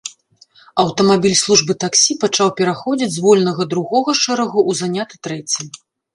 Аўтамабіль службы таксі пачаў пераходзіць з вольнага другога шэрагу ў заняты трэці.